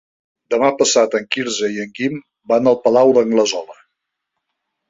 Demà passat en Quirze i en Guim van al Palau d'Anglesola.